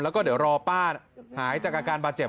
แล้วก็เดี๋ยวรอป้าหายจากอาการบาดเจ็บ